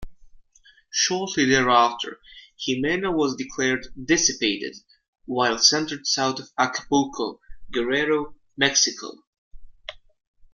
Shortly thereafter, Jimena was declared dissipated while centered south of Acapulco, Guerrero, Mexico.